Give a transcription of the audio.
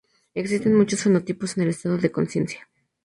Existen muchos fenotipos en el estado de consciencia.